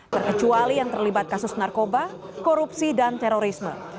terkecuali yang terlibat kasus narkoba korupsi dan terorisme